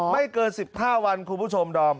ไม่เกิน๑๕วันคุณผู้ชมดอม